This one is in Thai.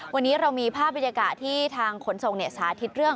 วันนี้เรามีภาพบรรยากาศที่ทางขนส่งสาธิตเรื่อง